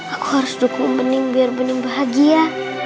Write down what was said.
aku harus dukung bening biar bening bahagia